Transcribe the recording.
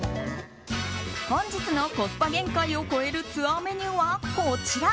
本日のコスパ限界を超えるツアーメニューはこちら。